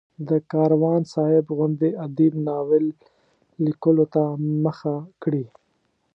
د کاروان صاحب غوندې ادیب ناول لیکلو ته مخه کړي.